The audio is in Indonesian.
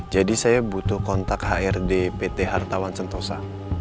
jadi saya butuh kontak hrdpt hartawan sentosa